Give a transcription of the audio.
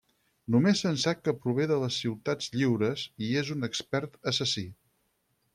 Només se'n sap que prové de les Ciutats Lliures i és un expert assassí.